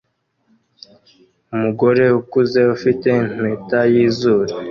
Umugore ukuze ufite impeta yizuru